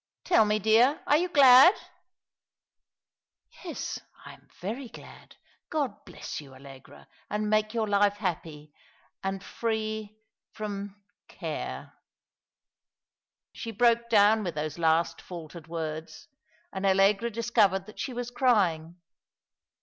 Tiill me, dear, are you glad ?"" Yes, I am very glad. God bless you, Allegra, and make your life happy — and free — from — care." She broke down with those last faltered words, and Allegra discovered that she was crying.